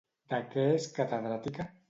De què és catedràtica?